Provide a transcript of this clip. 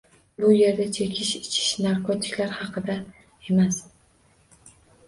Bu yerda chekish, ichish, narkotiklar haqida emas.